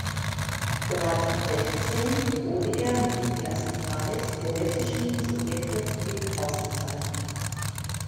Bereits mit sechzehn wurde er mit dem Ersten Preis der Lettischen Sowjetrepublik ausgezeichnet.